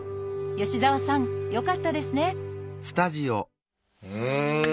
吉澤さんよかったですねうん！